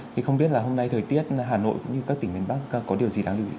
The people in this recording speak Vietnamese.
thì không biết là hôm nay thời tiết hà nội cũng như các tỉnh miền bắc có điều gì đáng lưu ý